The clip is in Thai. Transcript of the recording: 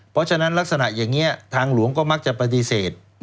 เพราะฉะนั้นลักษณะอย่างนี้ทางหลวงก็มักจะปฏิเสธ